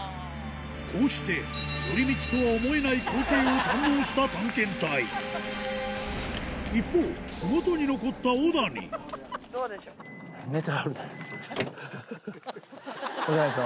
こうして寄り道とは思えない光景を堪能した探検隊一方小谷さん